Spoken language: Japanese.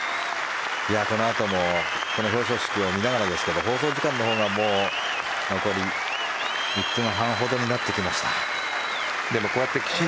このあともこの表彰式を見ながらですけど放送時間のほうがもう残り１分半ほどになってきました。